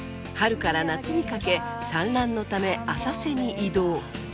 春から夏にかけ産卵のため浅瀬に移動。